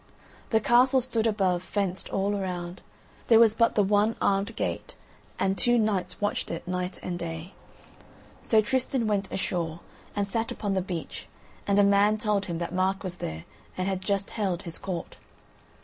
The castle stood above, fenced all around. There was but the one armed gate, and two knights watched it night and day. So Tristan went ashore and sat upon the beach, and a man told him that Mark was there and had just held his court.